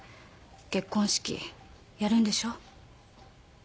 結婚式やるんでしょ？